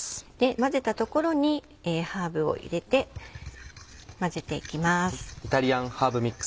混ぜたところにハーブを入れて混ぜていきます。